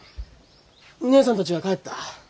義姉さんたちが帰った。